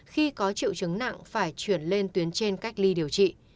khi có triệu chứng nặng phải chuyển lên tuyến trên cách ly điều trị